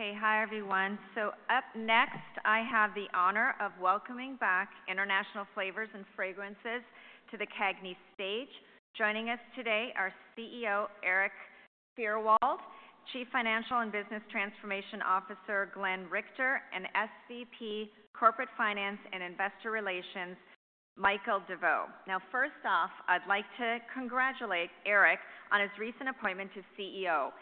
Okay, hi everyone. So up next I have the honor of welcoming back International Flavors & Fragrances to the CAGNY stage. Joining us today are CEO Erik Fyrwald, Chief Financial and Business Transformation Officer Glenn Richter, and SVP Corporate Finance and Investor Relations Michael DeVeau. Now first off, I'd like to congratulate Erik on his recent appointment to CEO.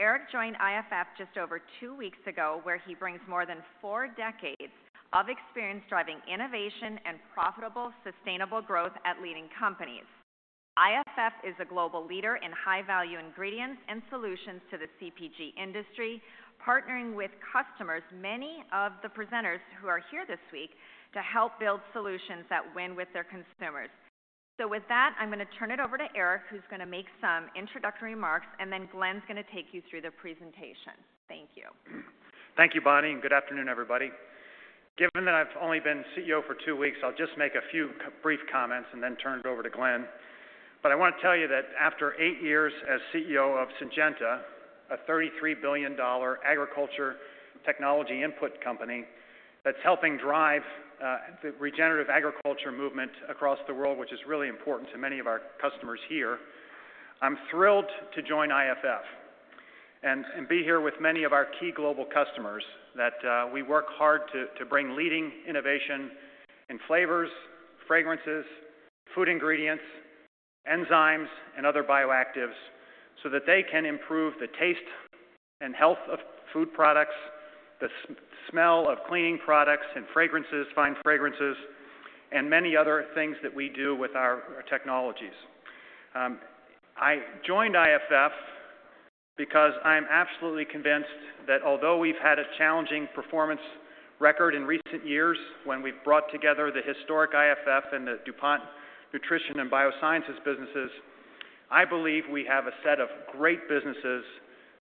Erik joined IFF just over two weeks ago where he brings more than four decades of experience driving innovation and profitable sustainable growth at leading companies. IFF is a global leader in high-value ingredients and solutions to the CPG industry, partnering with customers, many of the presenters who are here this week, to help build solutions that win with their consumers. So with that, I'm going to turn it over to Erik who's going to make some introductory remarks and then Glenn's going to take you through the presentation. Thank you. Thank you, Bonnie, and good afternoon everybody. Given that I've only been CEO for two weeks, I'll just make a few brief comments and then turn it over to Glenn. But I want to tell you that after 8 years as CEO of Syngenta, a $33 billion agriculture technology input company that's helping drive the regenerative agriculture movement across the world, which is really important to many of our customers here, I'm thrilled to join IFF and be here with many of our key global customers that we work hard to bring leading innovation in flavors, fragrances, food ingredients, enzymes, and other bioactives so that they can improve the taste and health of food products, the smell of cleaning products and fine fragrances, and many other things that we do with our technologies. I joined IFF because I'm absolutely convinced that although we've had a challenging performance record in recent years when we've brought together the historic IFF and the DuPont Nutrition & Biosciences businesses, I believe we have a set of great businesses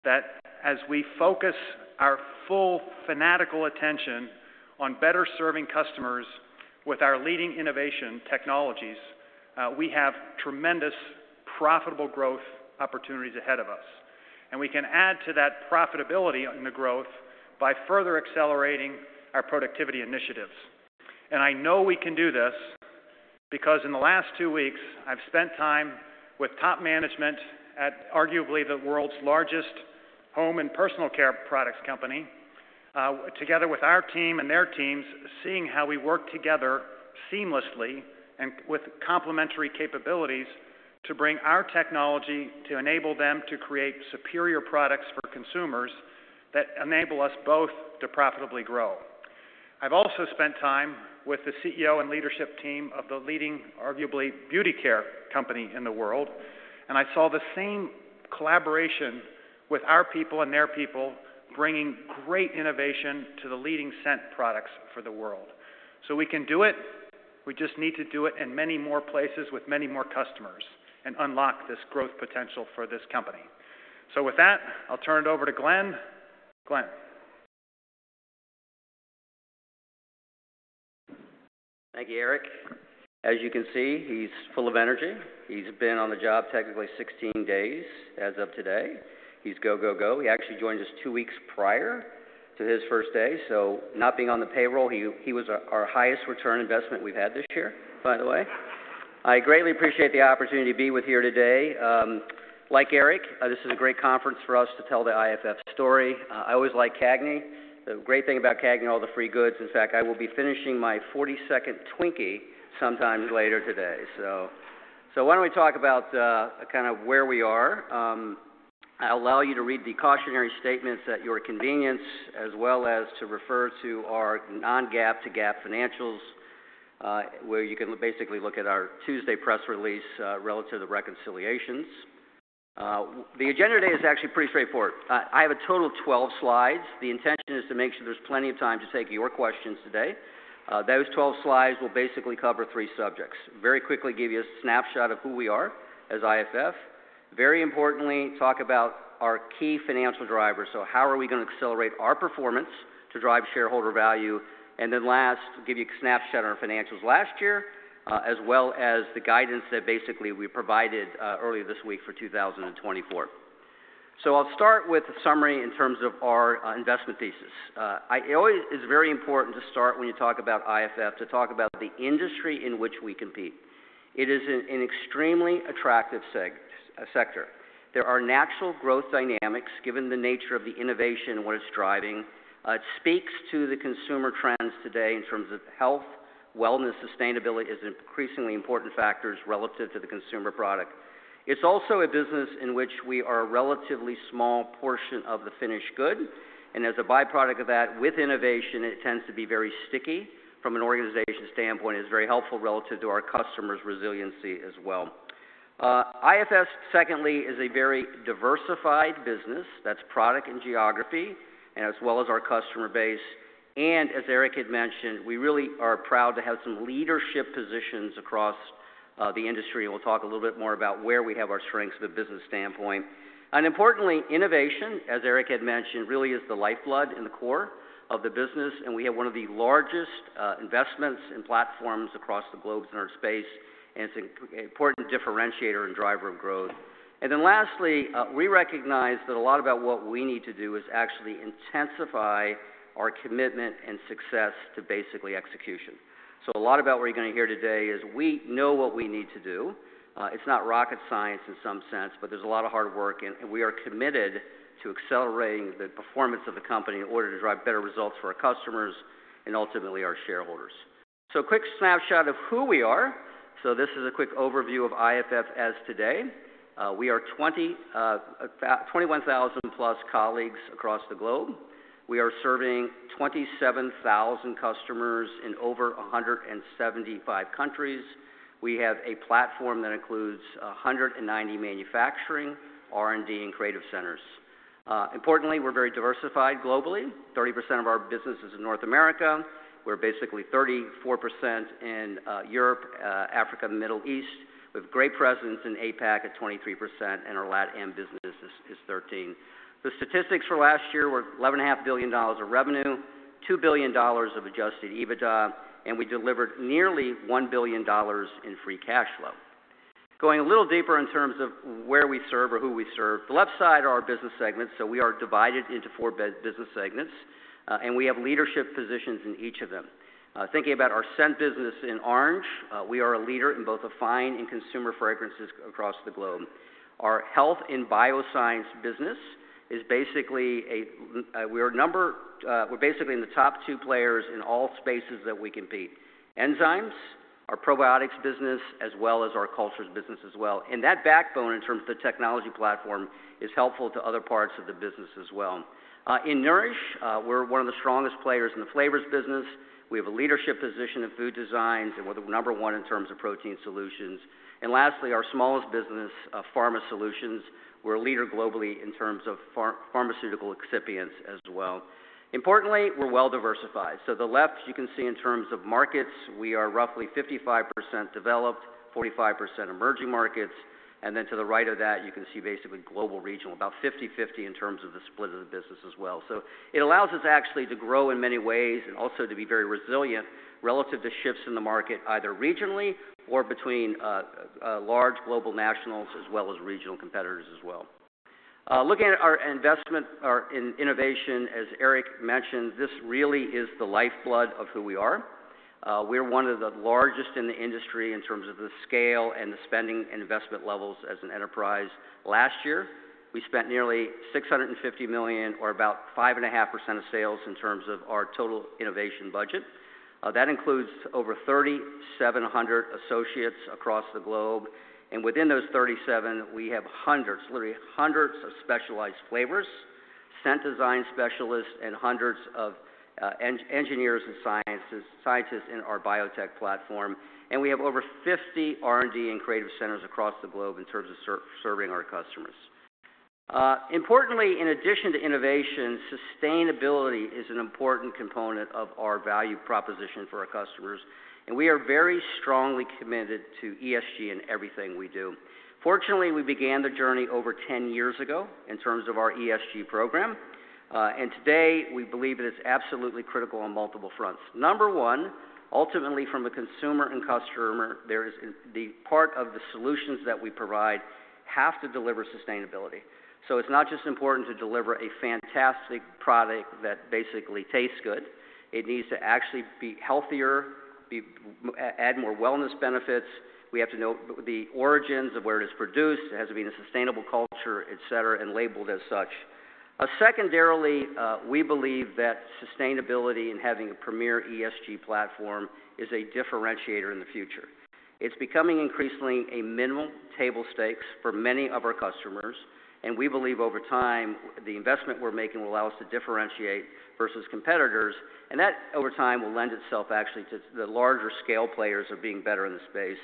that as we focus our full fanatical attention on better serving customers with our leading innovation technologies, we have tremendous profitable growth opportunities ahead of us. And we can add to that profitability in the growth by further accelerating our productivity initiatives. And I know we can do this because in the last two weeks I've spent time with top management at arguably the world's largest home and personal care products company, together with our team and their teams, seeing how we work together seamlessly and with complementary capabilities to bring our technology to enable them to create superior products for consumers that enable us both to profitably grow. I've also spent time with the CEO and leadership team of the leading, arguably, beauty care company in the world, and I saw the same collaboration with our people and their people bringing great innovation to the leading scent products for the world. So we can do it, we just need to do it in many more places with many more customers and unlock this growth potential for this company. So with that, I'll turn it over to Glenn. Glenn. Thank you, Erik. As you can see, he's full of energy. He's been on the job technically 16 days as of today. He's go, go, go. He actually joined us two weeks prior to his first day, so not being on the payroll, he was our highest return investment we've had this year, by the way. I greatly appreciate the opportunity to be with here today. Like Erik, this is a great conference for us to tell the IFF story. I always like CAGNY. The great thing about CAGNY, all the free goods, in fact, I will be finishing my 42nd Twinkie sometime later today. So why don't we talk about kind of where we are? I'll allow you to read the cautionary statements at your convenience as well as to refer to our non-GAAP to GAAP financials where you can basically look at our Tuesday press release relative to the reconciliations. The agenda today is actually pretty straightforward. I have a total of 12 slides. The intention is to make sure there's plenty of time to take your questions today. Those 12 slides will basically cover three subjects: very quickly give you a snapshot of who we are as IFF. Very importantly, talk about our key financial drivers, so how are we going to accelerate our performance to drive shareholder value. And then last, give you a snapshot on our financials last year as well as the guidance that basically we provided earlier this week for 2024. I'll start with a summary in terms of our investment thesis. It's very important to start when you talk about IFF to talk about the industry in which we compete. It is an extremely attractive sector. There are natural growth dynamics given the nature of the innovation and what it's driving. It speaks to the consumer trends today in terms of health, wellness, sustainability as increasingly important factors relative to the consumer product. It's also a business in which we are a relatively small portion of the finished good, and as a byproduct of that, with innovation, it tends to be very sticky from an organization standpoint. It's very helpful relative to our customers' resiliency as well. IFF, secondly, is a very diversified business. That's product and geography as well as our customer base. As Erik had mentioned, we really are proud to have some leadership positions across the industry, and we'll talk a little bit more about where we have our strengths from a business standpoint. Importantly, innovation, as Erik had mentioned, really is the lifeblood and the core of the business, and we have one of the largest investments and platforms across the globe in our space, and it's an important differentiator and driver of growth. Lastly, we recognize that a lot about what we need to do is actually intensify our commitment and success to basically execution. A lot about what you're going to hear today is we know what we need to do. It's not rocket science in some sense, but there's a lot of hard work, and we are committed to accelerating the performance of the company in order to drive better results for our customers and ultimately our shareholders. A quick snapshot of who we are. This is a quick overview of IFF as today. We are 21,000+ colleagues across the globe. We are serving 27,000 customers in over 175 countries. We have a platform that includes 190 manufacturing, R&D, and creative centers. Importantly, we're very diversified globally. 30% of our business is in North America. We're basically 34% in Europe, Africa, and the Middle East. We have a great presence in APAC at 23%, and our Latin America business is 13%. The statistics for last year were $11.5 billion of revenue, $2 billion of adjusted EBITDA, and we delivered nearly $1 billion in free cash flow. Going a little deeper in terms of where we serve or who we serve, the left side are our business segments. So we are divided into four business segments, and we have leadership positions in each of them. Thinking about our Scent business in orange, we are a leader in both the fine and consumer fragrances across the globe. Our Health & Biosciences business is basically we're basically in the top two players in all spaces that we compete. Enzymes, our probiotics business, as well as our cultures business as well. And that backbone in terms of the technology platform is helpful to other parts of the business as well. In Nourish, we're one of the strongest players in the flavors business. We have a leadership position in food designs. We're the number one in terms of protein solutions. And lastly, our smallest business, Pharma Solutions, we're a leader globally in terms of pharmaceutical excipients as well. Importantly, we're well diversified. So the left you can see in terms of markets, we are roughly 55% developed, 45% emerging markets, and then to the right of that you can see basically global, regional, about 50/50 in terms of the split of the business as well. So it allows us actually to grow in many ways and also to be very resilient relative to shifts in the market either regionally or between large global nationals as well as regional competitors as well. Looking at our investment in innovation, as Erik mentioned, this really is the lifeblood of who we are. We're one of the largest in the industry in terms of the scale and the spending and investment levels as an enterprise. Last year, we spent nearly $650 million or about 5.5% of sales in terms of our total innovation budget. That includes over 3,700 associates across the globe, and within those 3,700, we have literally hundreds of specialized flavors, scent design specialists, and hundreds of engineers and scientists in our biotech platform. We have over 50 R&D and creative centers across the globe in terms of serving our customers. Importantly, in addition to innovation, sustainability is an important component of our value proposition for our customers, and we are very strongly committed to ESG in everything we do. Fortunately, we began the journey over 10 years ago in terms of our ESG program, and today we believe that it's absolutely critical on multiple fronts. Number one, ultimately from a consumer and customer, the part of the solutions that we provide have to deliver sustainability. So it's not just important to deliver a fantastic product that basically tastes good. It needs to actually be healthier, add more wellness benefits. We have to know the origins of where it is produced. It has to be in a sustainable culture, etc., and labeled as such. Secondarily, we believe that sustainability and having a premier ESG platform is a differentiator in the future. It's becoming increasingly a minimal table stakes for many of our customers, and we believe over time the investment we're making will allow us to differentiate versus competitors, and that over time will lend itself actually to the larger scale players of being better in the space.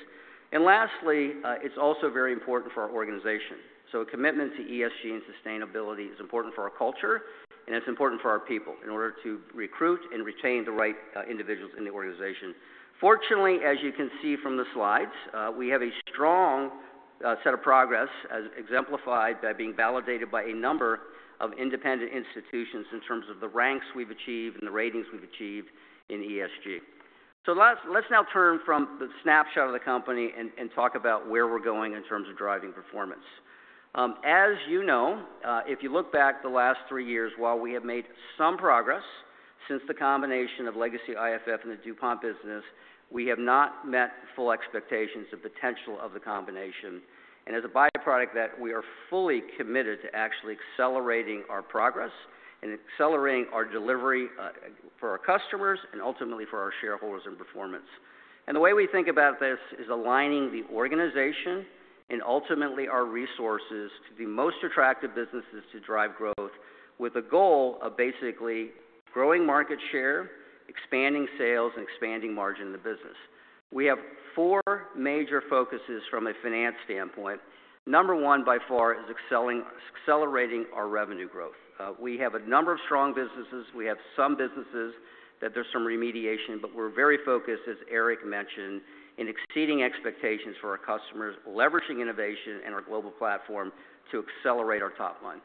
And lastly, it's also very important for our organization. A commitment to ESG and sustainability is important for our culture, and it's important for our people in order to recruit and retain the right individuals in the organization. Fortunately, as you can see from the slides, we have a strong set of progress as exemplified by being validated by a number of independent institutions in terms of the ranks we've achieved and the ratings we've achieved in ESG. Let's now turn from the snapshot of the company and talk about where we're going in terms of driving performance. As you know, if you look back the last three years, while we have made some progress since the combination of legacy IFF and the DuPont business, we have not met full expectations of the potential of the combination. And as a byproduct of that, we are fully committed to actually accelerating our progress and accelerating our delivery for our customers and ultimately for our shareholders and performance. And the way we think about this is aligning the organization and ultimately our resources to the most attractive businesses to drive growth with a goal of basically growing market share, expanding sales, and expanding margin in the business. We have four major focuses from a finance standpoint. Number one by far is accelerating our revenue growth. We have a number of strong businesses. We have some businesses that there's some remediation, but we're very focused, as Erik mentioned, in exceeding expectations for our customers, leveraging innovation and our global platform to accelerate our top line.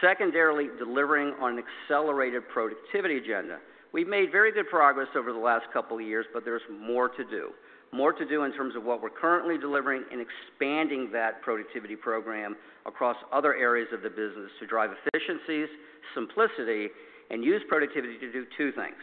Secondarily, delivering on an accelerated productivity agenda. We've made very good progress over the last couple of years, but there's more to do. More to do in terms of what we're currently delivering and expanding that productivity program across other areas of the business to drive efficiencies, simplicity, and use productivity to do two things: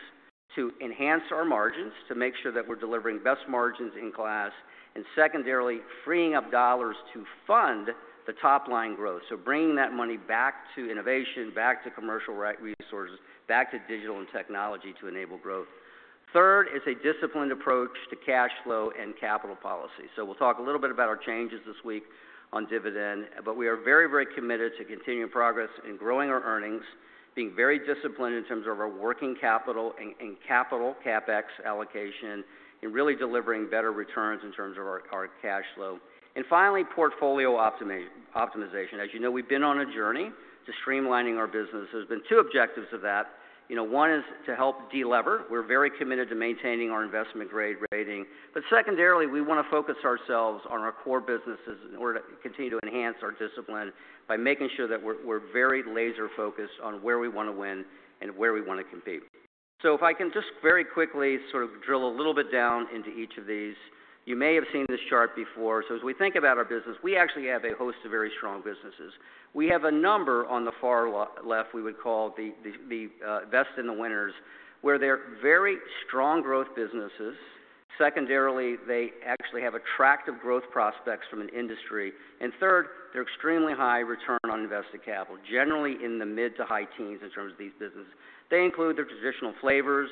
to enhance our margins, to make sure that we're delivering best margins in class, and secondarily, freeing up dollars to fund the top line growth. So bringing that money back to innovation, back to commercial resources, back to digital and technology to enable growth. Third is a disciplined approach to cash flow and capital policy. So we'll talk a little bit about our changes this week on dividend, but we are very, very committed to continuing progress in growing our earnings, being very disciplined in terms of our working capital and capital CapEx allocation, and really delivering better returns in terms of our cash flow. And finally, portfolio optimization. As you know, we've been on a journey to streamlining our business. There's been two objectives of that. One is to help de-lever. We're very committed to maintaining our investment-grade rating. But secondarily, we want to focus ourselves on our core businesses in order to continue to enhance our discipline by making sure that we're very laser-focused on where we want to win and where we want to compete. So if I can just very quickly sort of drill a little bit down into each of these. You may have seen this chart before. So as we think about our business, we actually have a host of very strong businesses. We have a number on the far left we would call the vest in the winners where they're very strong growth businesses. Secondarily, they actually have attractive growth prospects from an industry. Third, they're extremely high return on invested capital, generally in the mid to high teens in terms of these businesses. They include their traditional flavors,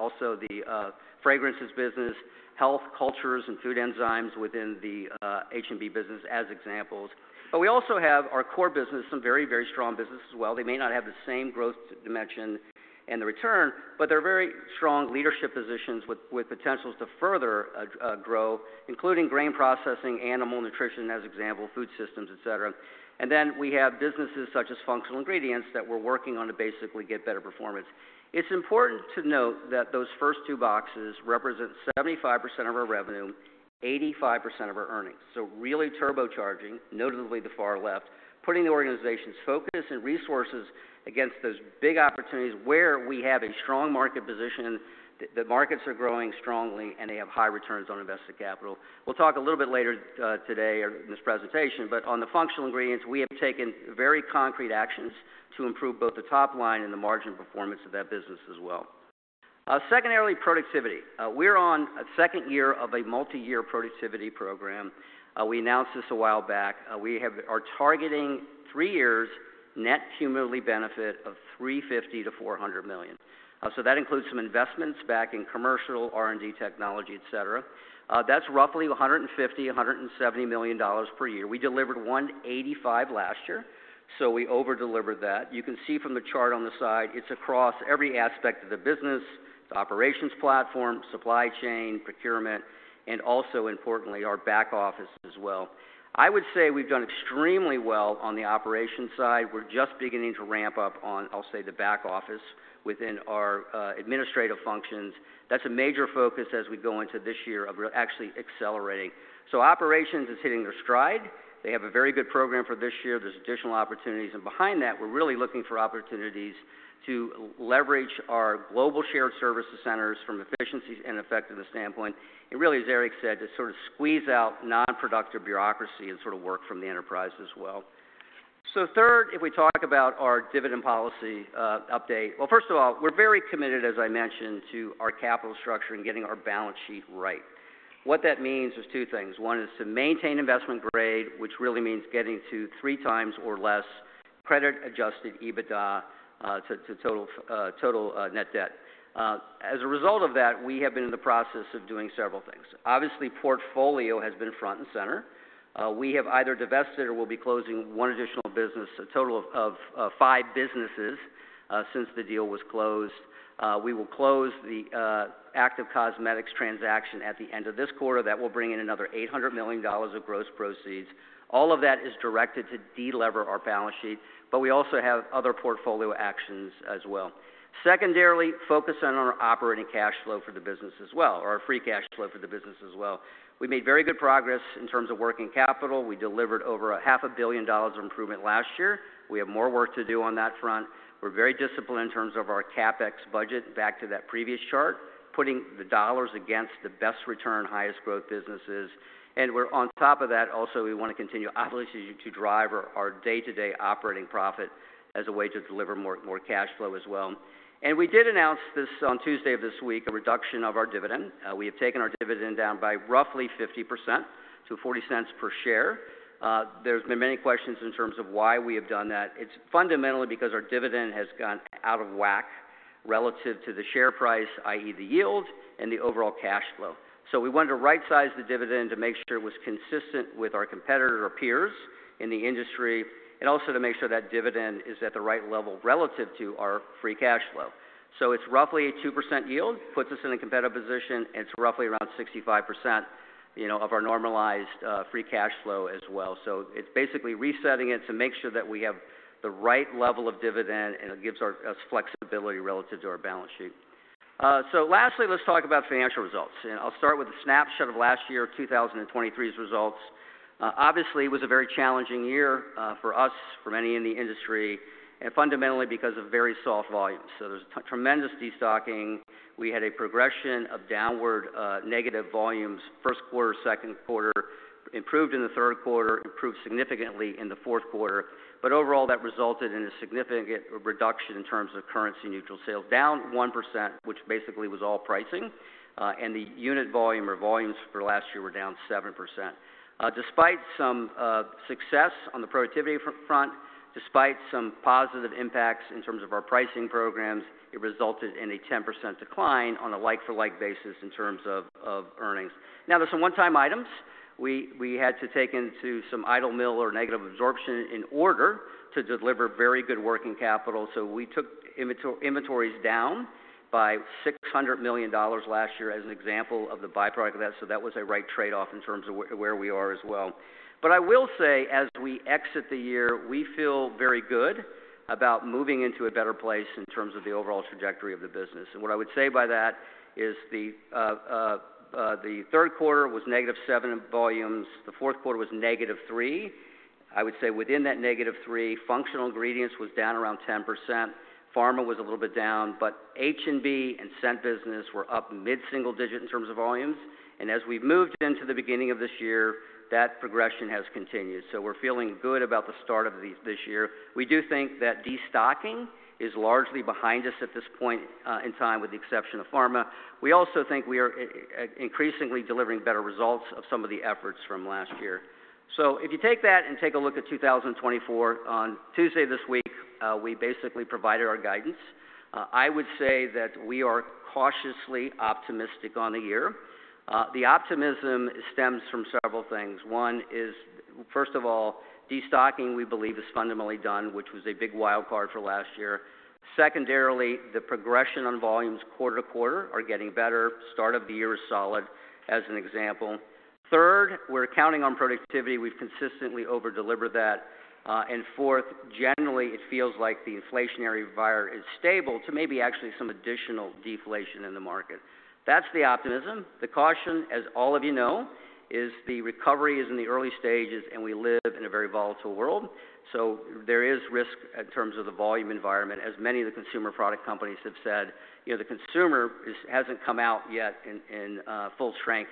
also the fragrances business, health cultures, and food enzymes within the H&B business as examples. But we also have our core business, some very, very strong businesses as well. They may not have the same growth dimension and the return, but they're very strong leadership positions with potentials to further grow, including Grain Processing, Animal Nutrition as example, Food Systems, etc. Then we have businesses such as Functional Ingredients that we're working on to basically get better performance. It's important to note that those first two boxes represent 75% of our revenue, 85% of our earnings. So really turbocharging, notably the far left, putting the organization's focus and resources against those big opportunities where we have a strong market position, the markets are growing strongly, and they have high returns on invested capital. We'll talk a little bit later today in this presentation, but on the functional ingredients, we have taken very concrete actions to improve both the top line and the margin performance of that business as well. Secondarily, productivity. We're on a second year of a multi-year productivity program. We announced this a while back. We are targeting three years net cumulative benefit of $350 million-$400 million. So that includes some investments back in commercial R&D technology, etc. That's roughly $150 million-$170 million per year. We delivered $185 million last year, so we overdelivered that. You can see from the chart on the side, it's across every aspect of the business: the operations platform, supply chain, procurement, and also importantly, our back office as well. I would say we've done extremely well on the operations side. We're just beginning to ramp up on, I'll say, the back office within our administrative functions. That's a major focus as we go into this year of actually accelerating. So operations is hitting their stride. They have a very good program for this year. There's additional opportunities. And behind that, we're really looking for opportunities to leverage our global shared services centers from efficiencies and effectiveness standpoint. And really, as Erik said, to sort of squeeze out nonproductive bureaucracy and sort of work from the enterprise as well. So third, if we talk about our dividend policy update, well, first of all, we're very committed, as I mentioned, to our capital structure and getting our balance sheet right. What that means is two things. One is to maintain investment grade, which really means getting to 3x or less credit-adjusted EBITDA to total net debt. As a result of that, we have been in the process of doing several things. Obviously, portfolio has been front and center. We have either divested or will be closing one additional business, a total of five businesses since the deal was closed. We will close the Active Cosmetics transaction at the end of this quarter. That will bring in another $800 million of gross proceeds. All of that is directed to de-lever our balance sheet, but we also have other portfolio actions as well. Secondarily, focus on our operating cash flow for the business as well, or our free cash flow for the business as well. We made very good progress in terms of working capital. We delivered over $500 million of improvement last year. We have more work to do on that front. We're very disciplined in terms of our CapEx budget, back to that previous chart, putting the dollars against the best return, highest growth businesses. And on top of that, also, we want to continue obviously to drive our day-to-day operating profit as a way to deliver more cash flow as well. And we did announce this on Tuesday of this week, a reduction of our dividend. We have taken our dividend down by roughly 50% to $0.40 per share. There's been many questions in terms of why we have done that. It's fundamentally because our dividend has gone out of whack relative to the share price, i.e., the yield, and the overall cash flow. So we wanted to right-size the dividend to make sure it was consistent with our competitor or peers in the industry and also to make sure that dividend is at the right level relative to our free cash flow. So it's roughly a 2% yield, puts us in a competitive position, and it's roughly around 65% of our normalized free cash flow as well. So it's basically resetting it to make sure that we have the right level of dividend, and it gives us flexibility relative to our balance sheet. So lastly, let's talk about financial results. I'll start with a snapshot of last year, 2023's results. Obviously, it was a very challenging year for us, for many in the industry, and fundamentally because of very soft volumes. There's tremendous destocking. We had a progression of downward negative volumes first quarter, second quarter, improved in the third quarter, improved significantly in the fourth quarter. But overall, that resulted in a significant reduction in terms of currency-neutral sales, down 1%, which basically was all pricing. The unit volume or volumes for last year were down 7%. Despite some success on the productivity front, despite some positive impacts in terms of our pricing programs, it resulted in a 10% decline on a like-for-like basis in terms of earnings. Now, there's some one-time items. We had to take into some idle mill or negative absorption in order to deliver very good working capital. So we took inventories down by $600 million last year as an example of the byproduct of that. So that was a right trade-off in terms of where we are as well. But I will say, as we exit the year, we feel very good about moving into a better place in terms of the overall trajectory of the business. And what I would say by that is the third quarter was -7% in volumes. The fourth quarter was -3%. I would say within that -3%, functional ingredients was down around 10%. Pharma was a little bit down, but H&B and scent business were up mid-single digit in terms of volumes. And as we've moved into the beginning of this year, that progression has continued. So we're feeling good about the start of this year. We do think that destocking is largely behind us at this point in time, with the exception of pharma. We also think we are increasingly delivering better results of some of the efforts from last year. So if you take that and take a look at 2024, on Tuesday this week, we basically provided our guidance. I would say that we are cautiously optimistic on the year. The optimism stems from several things. One is, first of all, destocking, we believe, is fundamentally done, which was a big wild card for last year. Secondarily, the progression on volumes quarter to quarter are getting better. Start of the year is solid, as an example. Third, we're counting on productivity. We've consistently overdelivered that. And fourth, generally, it feels like the inflationary virus is stable to maybe actually some additional deflation in the market. That's the optimism. The caution, as all of you know, is the recovery is in the early stages, and we live in a very volatile world. So there is risk in terms of the volume environment, as many of the consumer product companies have said. The consumer hasn't come out yet in full strength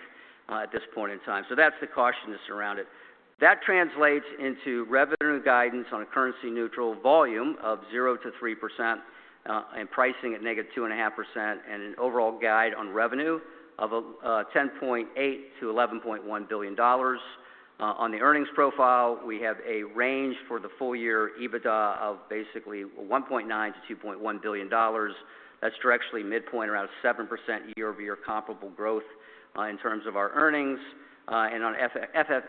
at this point in time. So that's the cautiousness around it. That translates into revenue guidance on a currency-neutral volume of 0%-3% and pricing at -2.5% and an overall guide on revenue of $10.8 billion-$11.1 billion. On the earnings profile, we have a range for the full-year EBITDA of basically $1.9 billion-$2.1 billion. That's directly midpoint, around 7% year-over-year comparable growth in terms of our earnings. And on FX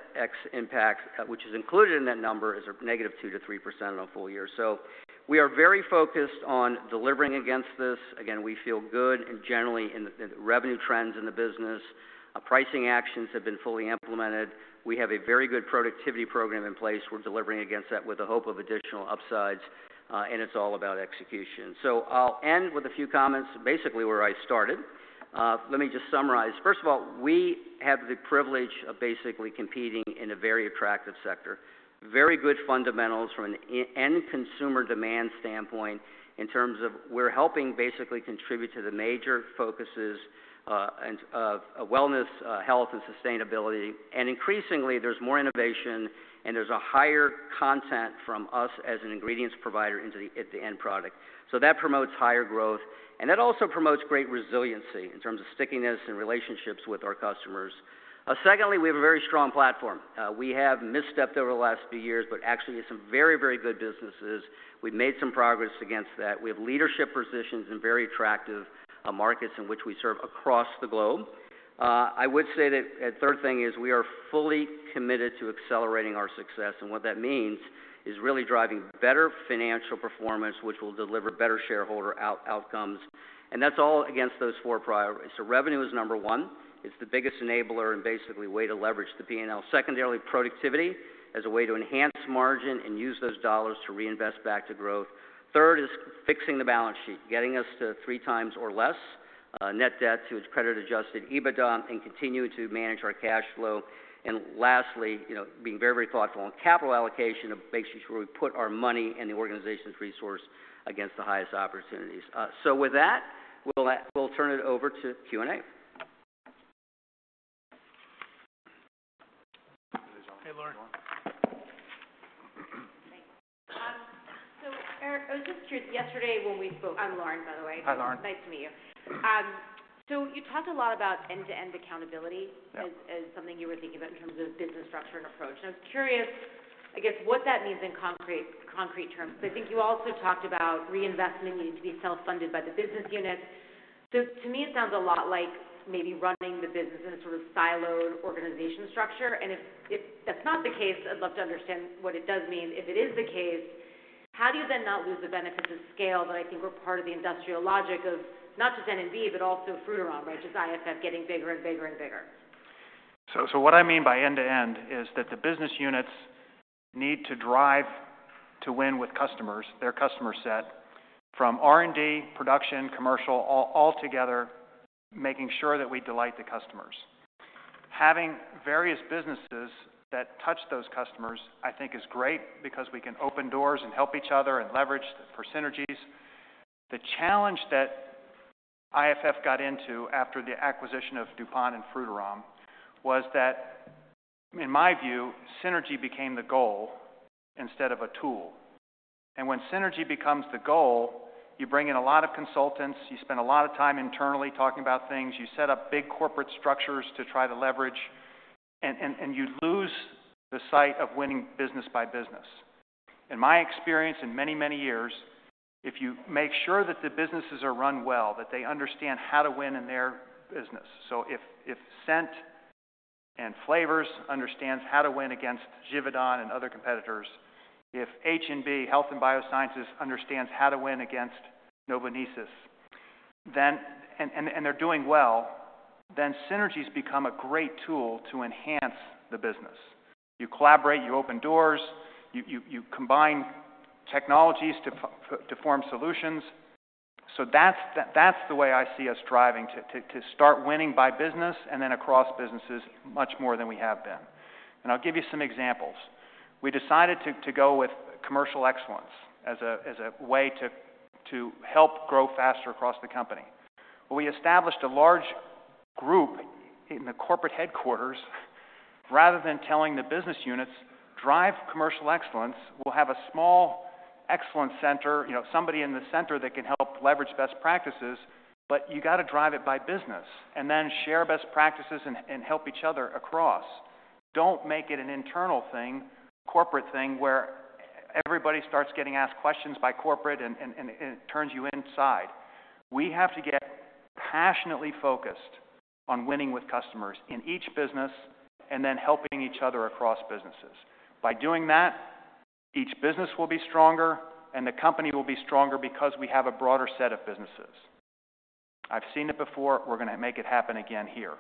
impacts, which is included in that number, is a -2% to 3% on a full year. We are very focused on delivering against this. Again, we feel good, and generally, in the revenue trends in the business, pricing actions have been fully implemented. We have a very good productivity program in place. We're delivering against that with the hope of additional upsides. It's all about execution. I'll end with a few comments, basically, where I started. Let me just summarize. First of all, we have the privilege of basically competing in a very attractive sector, very good fundamentals from an end-consumer demand standpoint in terms of we're helping basically contribute to the major focuses of wellness, health, and sustainability. Increasingly, there's more innovation, and there's a higher content from us as an ingredients provider into the end product. That promotes higher growth. That also promotes great resiliency in terms of stickiness and relationships with our customers. Secondly, we have a very strong platform. We have misstepped over the last few years, but actually, it's some very, very good businesses. We've made some progress against that. We have leadership positions in very attractive markets in which we serve across the globe. I would say that third thing is we are fully committed to accelerating our success. And what that means is really driving better financial performance, which will deliver better shareholder outcomes. And that's all against those four priorities. So revenue is number one. It's the biggest enabler and basically way to leverage the P&L. Secondarily, productivity as a way to enhance margin and use those dollars to reinvest back to growth. Third is fixing the balance sheet, getting us to 3x or less net debt to credit-adjusted EBITDA and continuing to manage our cash flow. Lastly, being very, very thoughtful on capital allocation to make sure we put our money and the organization's resource against the highest opportunities. With that, we'll turn it over to Q&A. Thanks. So Erik, I was just curious. Yesterday when we spoke, I'm Lauren, by the way. Hi, Lauren. Nice to meet you. So you talked a lot about end-to-end accountability as something you were thinking about in terms of business structure and approach. And I was curious, I guess, what that means in concrete terms. Because I think you also talked about reinvestment needing to be self-funded by the business unit. So to me, it sounds a lot like maybe running the business in a sort of siloed organization structure. And if that's not the case, I'd love to understand what it does mean. If it is the case, how do you then not lose the benefits of scale that I think were part of the industrial logic of not just N&B, but also Frutarom, right, just IFF getting bigger and bigger and bigger? So what I mean by end-to-end is that the business units need to drive to win with customers, their customer set, from R&D, production, commercial, all together, making sure that we delight the customers. Having various businesses that touch those customers, I think, is great because we can open doors and help each other and leverage for synergies. The challenge that IFF got into after the acquisition of DuPont and Frutarom was that, in my view, synergy became the goal instead of a tool. And when synergy becomes the goal, you bring in a lot of consultants. You spend a lot of time internally talking about things. You set up big corporate structures to try to leverage. And you lose the sight of winning business by business. In my experience in many, many years, if you make sure that the businesses are run well, that they understand how to win in their business so if Scent and Flavors understand how to win against Givaudan and other competitors, if H&B, Health & Biosciences, understands how to win against Novonesis, and they're doing well, then synergies become a great tool to enhance the business. You collaborate. You open doors. You combine technologies to form solutions. So that's the way I see us driving to start winning by business and then across businesses much more than we have been. And I'll give you some examples. We decided to go with commercial excellence as a way to help grow faster across the company. Well, we established a large group in the corporate headquarters. Rather than telling the business units, "Drive commercial excellence. We'll have a small excellence center, somebody in the center that can help leverage best practices. But you got to drive it by business and then share best practices and help each other across. Don't make it an internal thing, corporate thing, where everybody starts getting asked questions by corporate and it turns you inside. We have to get passionately focused on winning with customers in each business and then helping each other across businesses. By doing that, each business will be stronger, and the company will be stronger because we have a broader set of businesses. I've seen it before. We're going to make it happen again here.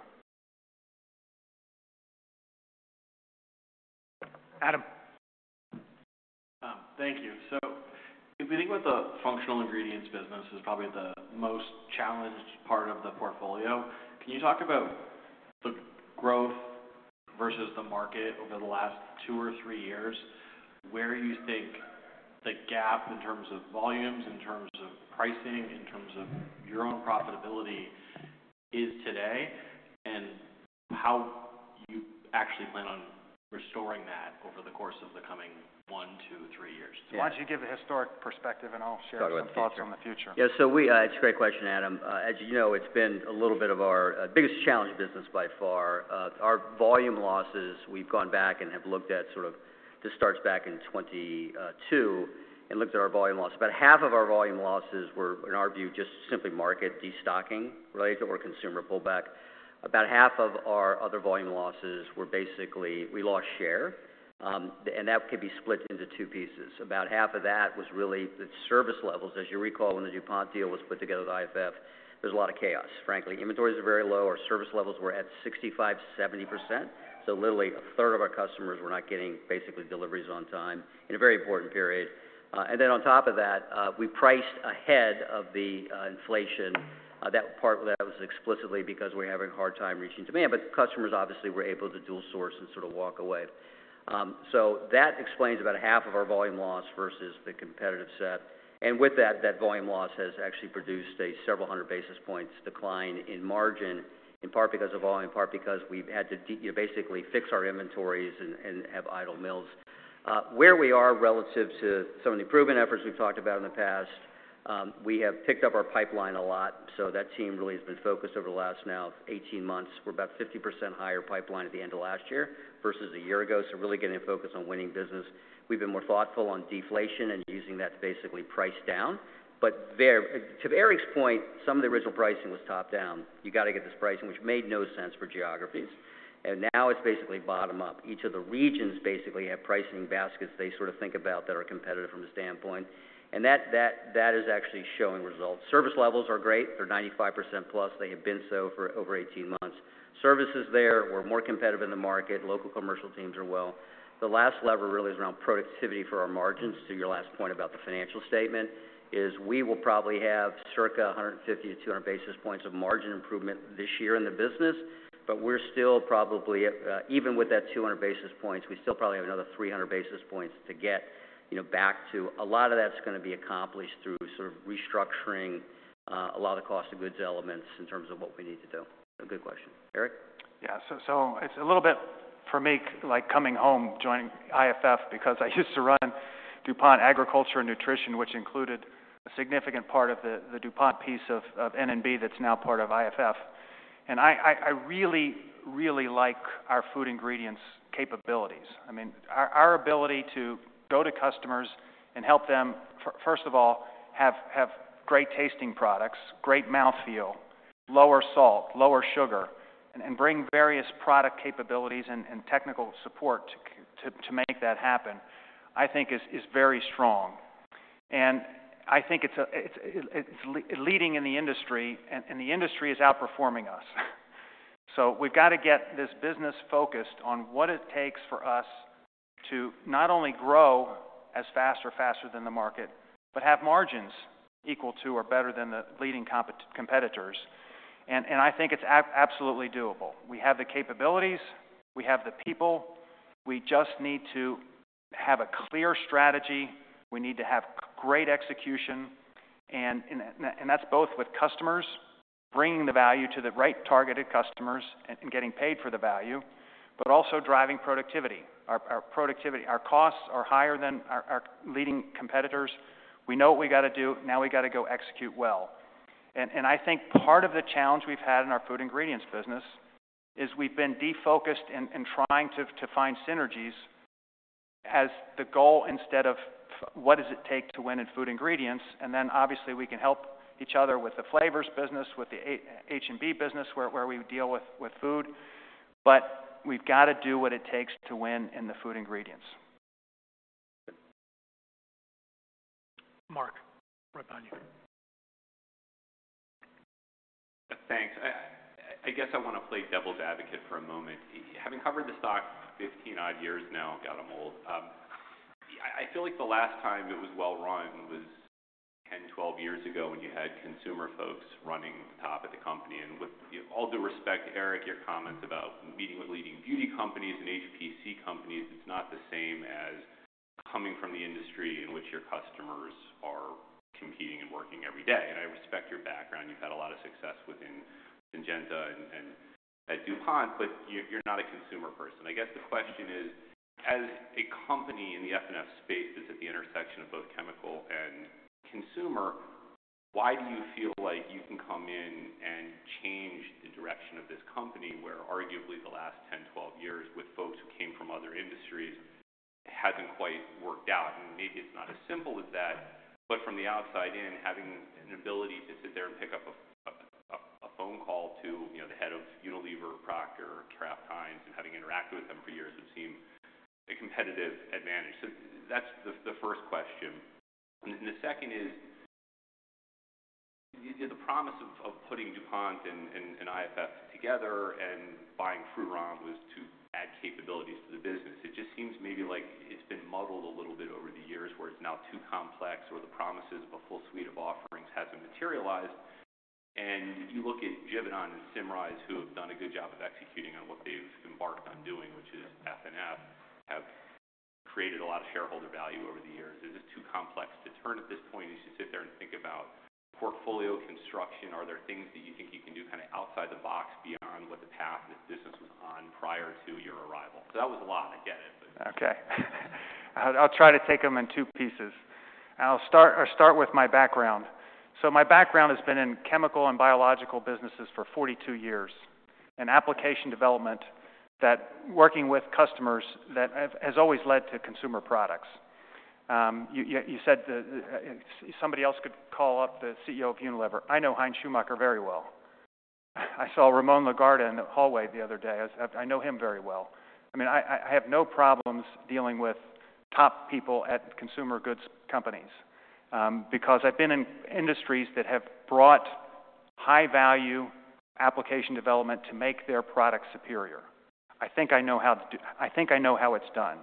Adam. Thank you. So if we think about the functional ingredients business, it's probably the most challenged part of the portfolio. Can you talk about the growth versus the market over the last two or three years, where you think the gap in terms of volumes, in terms of pricing, in terms of your own profitability is today, and how you actually plan on restoring that over the course of the coming one, two, three years? Why don't you give a historic perspective, and I'll share some thoughts on the future? Yeah. So it's a great question, Adam. As you know, it's been a little bit of our biggest challenge business by far. Our volume losses, we've gone back and have looked at sort of this starts back in 2022 and looked at our volume loss. About half of our volume losses were, in our view, just simply market destocking related to our consumer pullback. About half of our other volume losses were basically we lost share. And that could be split into two pieces. About half of that was really the service levels. As you recall, when the DuPont deal was put together with IFF, there was a lot of chaos, frankly. Inventories were very low. Our service levels were at 65%-70%. So literally, a third of our customers were not getting basically deliveries on time in a very important period. And then on top of that, we priced ahead of the inflation. That was explicitly because we're having a hard time reaching demand. But customers, obviously, were able to dual-source and sort of walk away. So that explains about half of our volume loss versus the competitive set. And with that, that volume loss has actually produced a several hundred basis points decline in margin, in part because of volume, in part because we've had to basically fix our inventories and have idle mills. Where we are relative to some of the improvement efforts we've talked about in the past, we have picked up our pipeline a lot. So that team really has been focused over the last now 18 months. We're about 50% higher pipeline at the end of last year versus a year ago. So really getting focused on winning business. We've been more thoughtful on deflation and using that to basically price down. But to Erik's point, some of the original pricing was top-down. You got to get this pricing, which made no sense for geographies. And now it's basically bottom-up. Each of the regions basically have pricing baskets they sort of think about that are competitive from a standpoint. And that is actually showing results. Service levels are great. They're 95%+. They have been so for over 18 months. Services there, we're more competitive in the market. Local commercial teams are well. The last lever really is around productivity for our margins. To your last point about the financial statement, is we will probably have circa 150-200 basis points of margin improvement this year in the business. But we're still probably even with that 200 basis points, we still probably have another 300 basis points to get back to. A lot of that's going to be accomplished through sort of restructuring a lot of the cost of goods elements in terms of what we need to do. A good question. Erik? Yeah. So it's a little bit for me like coming home, joining IFF because I used to run DuPont Agriculture and Nutrition, which included a significant part of the DuPont piece of N&B that's now part of IFF. And I really, really like our food ingredients capabilities. I mean, our ability to go to customers and help them, first of all, have great tasting products, great mouthfeel, lower salt, lower sugar, and bring various product capabilities and technical support to make that happen, I think, is very strong. And I think it's leading in the industry. And the industry is outperforming us. So we've got to get this business focused on what it takes for us to not only grow as fast or faster than the market but have margins equal to or better than the leading competitors. And I think it's absolutely doable. We have the capabilities. We have the people. We just need to have a clear strategy. We need to have great execution. That's both with customers, bringing the value to the right targeted customers and getting paid for the value, but also driving productivity. Our costs are higher than our leading competitors. We know what we got to do. Now we got to go execute well. I think part of the challenge we've had in our food ingredients business is we've been defocused and trying to find synergies as the goal instead of, "What does it take to win in food ingredients?" Then, obviously, we can help each other with the flavors business, with the H&B business where we deal with food. But we've got to do what it takes to win in the food ingredients. Mark, right behind you. Thanks. I guess I want to play devil's advocate for a moment. Having covered the stock 15-odd years now, God, I'm old, I feel like the last time it was well run was 10, 12 years ago when you had consumer folks running the top at the company. And with all due respect, Erik, your comments about meeting with leading beauty companies and HPC companies, it's not the same as coming from the industry in which your customers are competing and working every day. And I respect your background. You've had a lot of success within Syngenta and at DuPont. But you're not a consumer person. I guess the question is, as a company in the F&F space that's at the intersection of both chemical and consumer, why do you feel like you can come in and change the direction of this company where, arguably, the last 10, 12 years with folks who came from other industries hasn't quite worked out? And maybe it's not as simple as that. But from the outside in, having an ability to sit there and pick up a phone call to the head of Unilever, Procter, Kraft Heinz, and having interacted with them for years would seem a competitive advantage. So that's the first question. And the second is the promise of putting DuPont and IFF together and buying Frutarom was to add capabilities to the business. It just seems maybe like it's been muddled a little bit over the years where it's now too complex or the promises of a full suite of offerings hasn't materialized. And you look at Givaudan and Symrise, who have done a good job of executing on what they've embarked on doing, which is F&F, have created a lot of shareholder value over the years. Is this too complex to turn at this point? You should sit there and think about portfolio construction. Are there things that you think you can do kind of outside the box beyond what the path this business was on prior to your arrival? So that was a lot. I get it. But. Okay. I'll try to take them in two pieces. And I'll start with my background. So my background has been in chemical and biological businesses for 42 years, in application development, working with customers that has always led to consumer products. You said somebody else could call up the CEO of Unilever. I know Hein Schumacher very well. I saw Ramon Laguarta in the hallway the other day. I know him very well. I mean, I have no problems dealing with top people at consumer goods companies because I've been in industries that have brought high-value application development to make their product superior. I think I know how to do I think I know how it's done.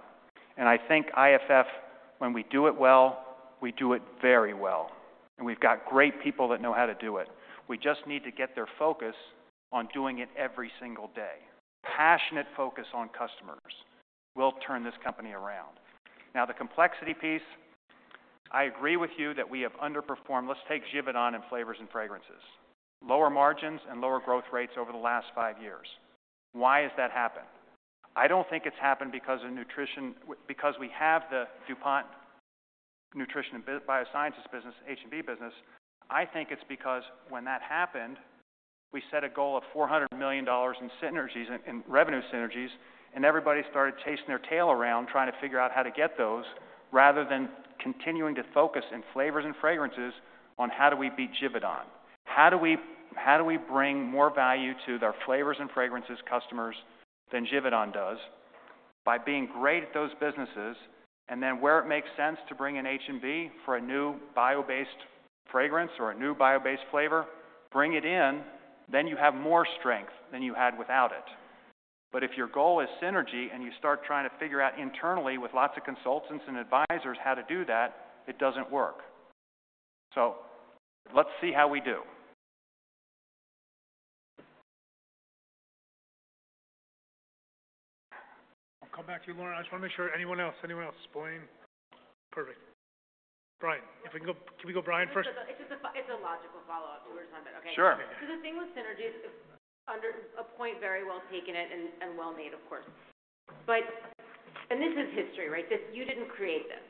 And I think IFF, when we do it well, we do it very well. And we've got great people that know how to do it. We just need to get their focus on doing it every single day. Passionate focus on customers will turn this company around. Now, the complexity piece, I agree with you that we have underperformed. Let's take Givaudan and flavors and fragrances. Lower margins and lower growth rates over the last five years. Why has that happened? I don't think it's happened because of Nutrition because we have the DuPont Nutrition and Biosciences business, H&B business. I think it's because when that happened, we set a goal of $400 million in synergies and revenue synergies. And everybody started chasing their tail around trying to figure out how to get those rather than continuing to focus in flavors and fragrances on, "How do we beat Givaudan? How do we bring more value to our flavors and fragrances customers than Givaudan does by being great at those businesses?" And then where it makes sense to bring in H&B for a new bio-based fragrance or a new bio-based flavor, bring it in. Then you have more strength than you had without it. But if your goal is synergy and you start trying to figure out internally with lots of consultants and advisors how to do that, it doesn't work. So let's see how we do. I'll come back to you, Lauren. I just want to make sure anyone else, anyone else, explain. Perfect. Bryan, can we go, Bryan, first? It's a logical follow-up to what you're saying. But okay. Because the thing with synergies, a point very well taken and well made, of course. And this is history, right? You didn't create this.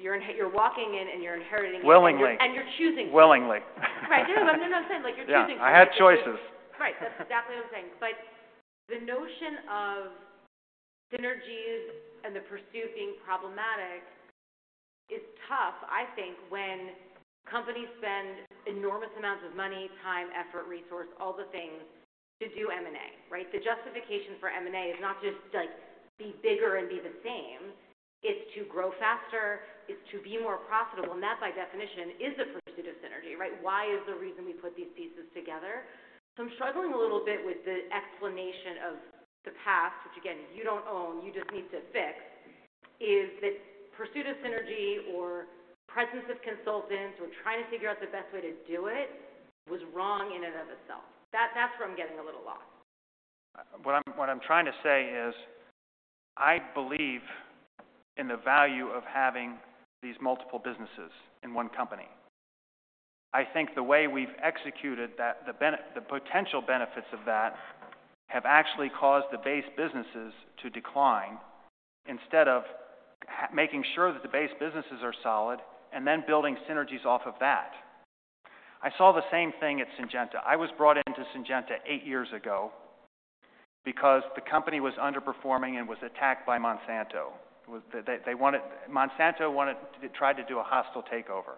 You're walking in, and you're inheriting it. Willingly. You're choosing to. Willingly. Right. No, no, no. I'm saying you're choosing to. Yeah. I had choices. Right. That's exactly what I'm saying. But the notion of synergies and the pursuit being problematic is tough, I think, when companies spend enormous amounts of money, time, effort, resource, all the things to do M&A, right? The justification for M&A is not to just be bigger and be the same. It's to grow faster. It's to be more profitable. And that, by definition, is the pursuit of synergy, right? Why is the reason we put these pieces together? So I'm struggling a little bit with the explanation of the past, which, again, you don't own. You just need to fix, is that pursuit of synergy or presence of consultants or trying to figure out the best way to do it was wrong in and of itself. That's where I'm getting a little lost. What I'm trying to say is I believe in the value of having these multiple businesses in one company. I think the way we've executed that, the potential benefits of that have actually caused the base businesses to decline instead of making sure that the base businesses are solid and then building synergies off of that. I saw the same thing at Syngenta. I was brought into Syngenta eight years ago because the company was underperforming and was attacked by Monsanto. Monsanto tried to do a hostile takeover.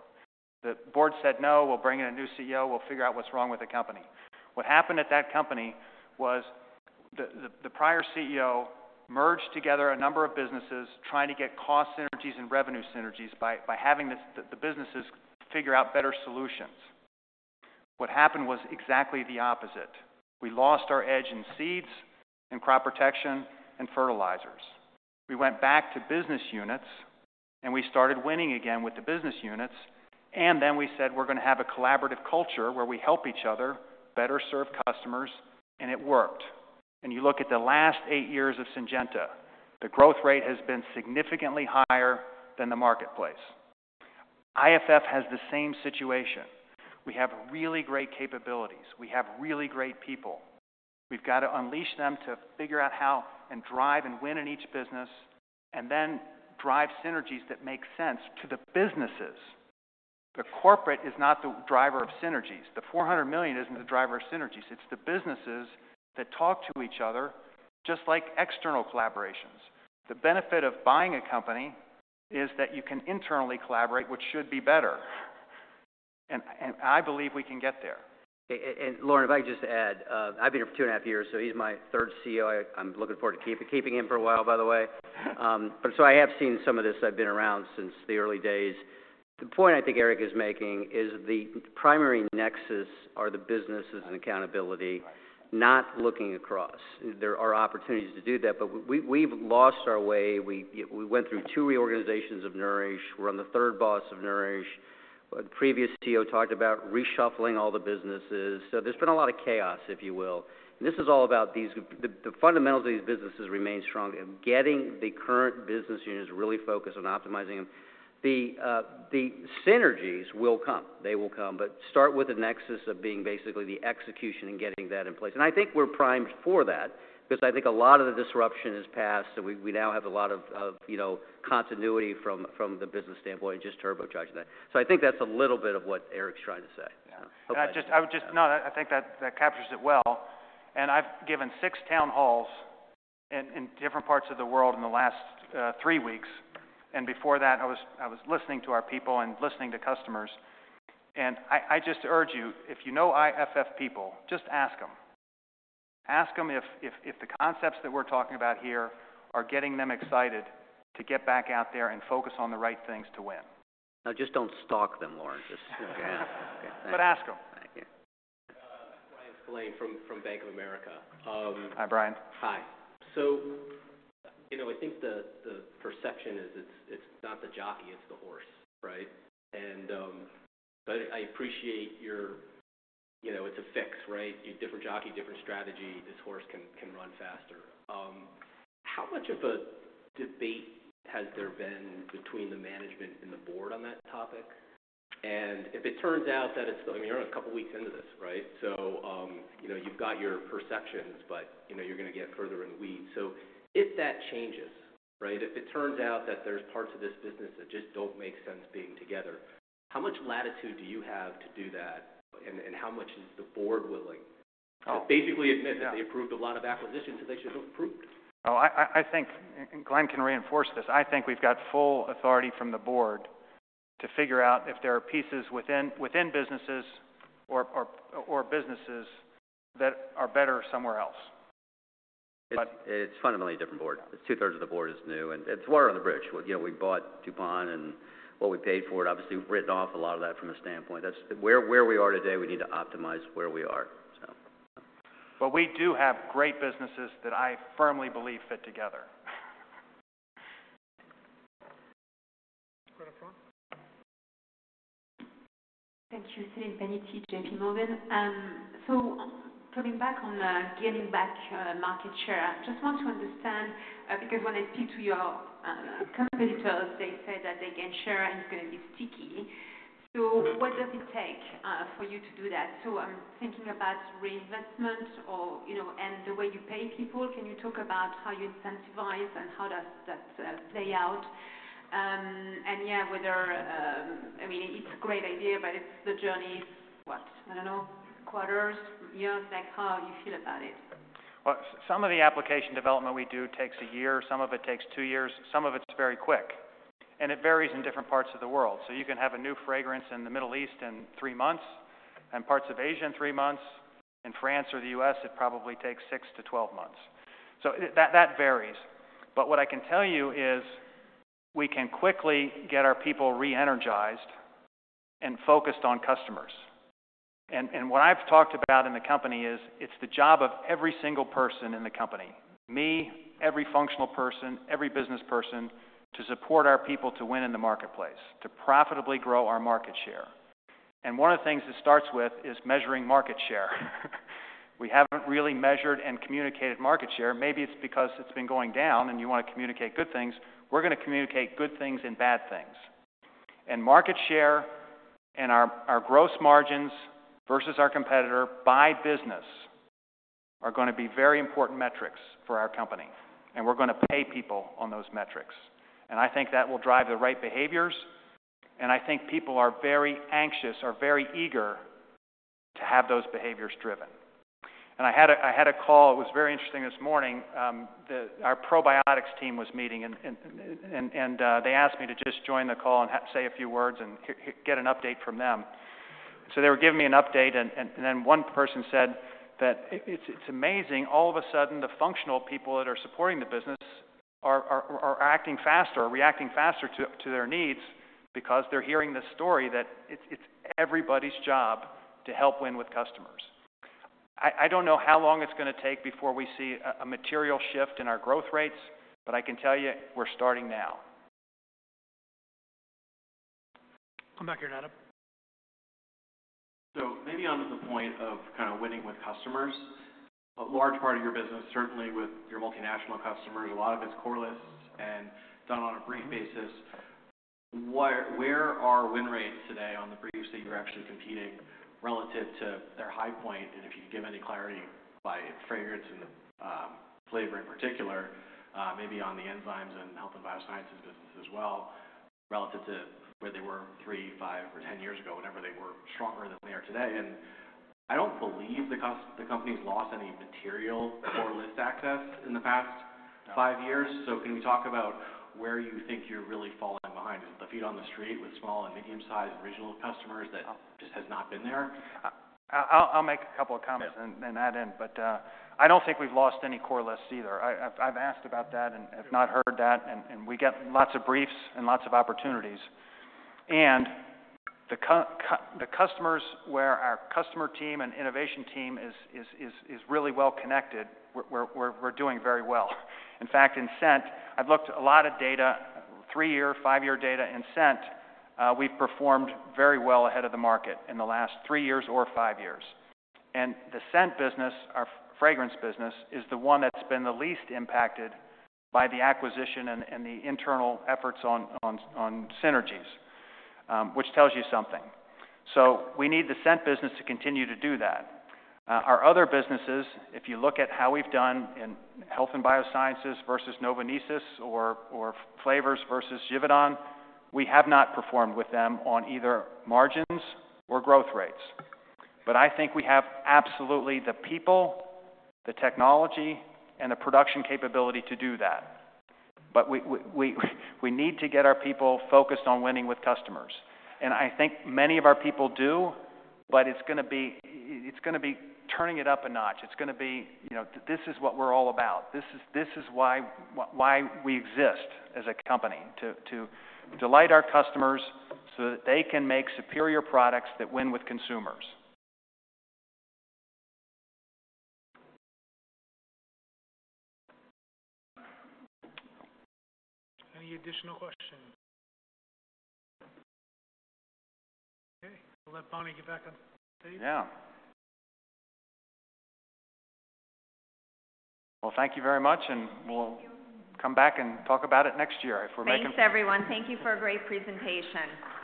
The board said, "No. We'll bring in a new CEO. We'll figure out what's wrong with the company." What happened at that company was the prior CEO merged together a number of businesses trying to get cost synergies and revenue synergies by having the businesses figure out better solutions. What happened was exactly the opposite. We lost our edge in seeds and crop protection and fertilizers. We went back to business units, and we started winning again with the business units. And then we said, "We're going to have a collaborative culture where we help each other, better serve customers." And it worked. And you look at the last eight years of Syngenta, the growth rate has been significantly higher than the marketplace. IFF has the same situation. We have really great capabilities. We have really great people. We've got to unleash them to figure out how and drive and win in each business and then drive synergies that make sense to the businesses. The corporate is not the driver of synergies. The $400 million isn't the driver of synergies. It's the businesses that talk to each other just like external collaborations. The benefit of buying a company is that you can internally collaborate, which should be better. And I believe we can get there. Lauren, if I could just add, I've been here for two and a half years. He's my third CEO. I'm looking forward to keeping him for a while, by the way. I have seen some of this. I've been around since the early days. The point, I think, Erik is making is the primary nexus are the businesses and accountability, not looking across. There are opportunities to do that. But we've lost our way. We went through two reorganizations of Nourish. We're on the third boss of Nourish. The previous CEO talked about reshuffling all the businesses. There's been a lot of chaos, if you will. This is all about the fundamentals of these businesses remaining strong, getting the current business units really focused on optimizing them. The synergies will come. They will come. But start with a nexus of being basically the execution and getting that in place. And I think we're primed for that because I think a lot of the disruption has passed. And we now have a lot of continuity from the business standpoint and just turbocharging that. So I think that's a little bit of what Erik's trying to say. I would just, no, I think that captures it well. I've given six town halls in different parts of the world in the last three weeks. Before that, I was listening to our people and listening to customers. I just urge you, if you know IFF people, just ask them. Ask them if the concepts that we're talking about here are getting them excited to get back out there and focus on the right things to win. Now, just don't stalk them, Lauren. Just yeah. Okay. Thanks. But ask them. Thank you. Bryan Spillane from Bank of America. Hi, Bryan. Hi. So I think the perception is it's not the jockey. It's the horse, right? But I appreciate your it's a fix, right? Different jockey, different strategy. This horse can run faster. How much of a debate has there been between the management and the board on that topic? And if it turns out that it's the, I mean, you're only a couple of weeks into this, right? So you've got your perceptions, but you're going to get further in the weeds. So if that changes, right, if it turns out that there's parts of this business that just don't make sense being together, how much latitude do you have to do that? And how much is the board willing to basically admit that they approved a lot of acquisitions that they should have approved? Oh, I think Glenn can reinforce this. I think we've got full authority from the board to figure out if there are pieces within businesses or businesses that are better somewhere else. It's fundamentally a different board. Two-thirds of the board is new. It's water under the bridge. We bought DuPont. What we paid for it, obviously, written off a lot of that from a standpoint. Where we are today, we need to optimize where we are, so. But we do have great businesses that I firmly believe fit together. Thank you, Celine Pannuti, JPMorgan. So coming back on gaining back market share, I just want to understand because when I speak to your competitors, they say that they gain share and it's going to be sticky. So what does it take for you to do that? So I'm thinking about reinvestment and the way you pay people. Can you talk about how you incentivize and how does that play out? And yeah, whether I mean, it's a great idea, but the journey is what? I don't know. Quarters, years? How you feel about it? Well, some of the application development we do takes a year. Some of it takes 2 years. Some of it's very quick. It varies in different parts of the world. You can have a new fragrance in the Middle East in 3 months and parts of Asia in 3 months. In France or the U.S., it probably takes 6-12 months. That varies. What I can tell you is we can quickly get our people re-energized and focused on customers. What I've talked about in the company is it's the job of every single person in the company, me, every functional person, every business person, to support our people to win in the marketplace, to profitably grow our market share. One of the things it starts with is measuring market share. We haven't really measured and communicated market share. Maybe it's because it's been going down, and you want to communicate good things. We're going to communicate good things and bad things. Market share and our gross margins versus our competitor by business are going to be very important metrics for our company. We're going to pay people on those metrics. I think that will drive the right behaviors. I think people are very anxious, are very eager to have those behaviors driven. I had a call. It was very interesting this morning. Our probiotics team was meeting. They asked me to just join the call and say a few words and get an update from them. So they were giving me an update. Then one person said that it's amazing. All of a sudden, the functional people that are supporting the business are acting faster, reacting faster to their needs because they're hearing this story that it's everybody's job to help win with customers. I don't know how long it's going to take before we see a material shift in our growth rates. But I can tell you, we're starting now. Come back here, Mark. So, maybe onto the point of kind of winning with customers, a large part of your business, certainly with your multinational customers, a lot of it's core lists and done on a brief basis. Where are win rates today on the briefs that you're actually competing relative to their high point? And if you could give any clarity by fragrance and flavor in particular, maybe on the enzymes and Health & Biosciences business as well relative to where they were three, five, or 10 years ago, whenever they were stronger than they are today. And I don't believe the company's lost any material core list access in the past five years. So, can we talk about where you think you're really falling behind? Is it the feet on the street with small and medium-sized regional customers that just has not been there? I'll make a couple of comments and then add in. But I don't think we've lost any core lists either. I've asked about that and have not heard that. And we get lots of briefs and lots of opportunities. And the customers where our customer team and innovation team is really well connected, we're doing very well. In fact, in Scent, I've looked at a lot of data, three-year, five-year data in Scent, we've performed very well ahead of the market in the last three years or five years. And the Scent business, our fragrance business, is the one that's been the least impacted by the acquisition and the internal efforts on synergies, which tells you something. So we need the Scent business to continue to do that. Our other businesses, if you look at how we've done in Health & Biosciences versus Novonesis or Flavors versus Givaudan, we have not performed with them on either margins or growth rates. But I think we have absolutely the people, the technology, and the production capability to do that. But we need to get our people focused on winning with customers. And I think many of our people do. But it's going to be turning it up a notch. It's going to be this is what we're all about. This is why we exist as a company, to delight our customers so that they can make superior products that win with consumers. Any additional questions? Okay. We'll let Bonnie get back on stage. Yeah. Well, thank you very much. We'll come back and talk about it next year. Thanks, everyone. Thank you for a great presentation.